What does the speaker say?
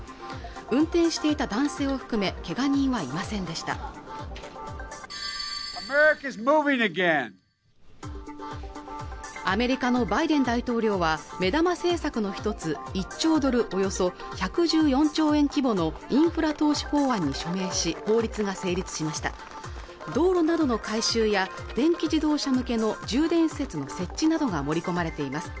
運転していた男性を含めけが人はいませんでしたアメリカのバイデン大統領は目玉政策の１つ１兆ドルおよそ１１４兆円規模のインフラ投資法案に署名し法律が成立しました道路などの改修や電気自動車向けの充電施設の設置などが盛り込まれています